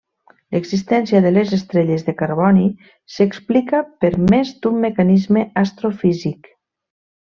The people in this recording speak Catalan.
L'existència de les estrelles de carboni s'explica per més d'un mecanisme astrofísic.